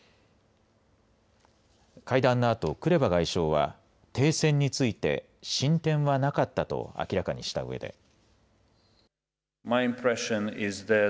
会談のあとクレバ外相は停戦について進展はなかったと明らかにしたうえで。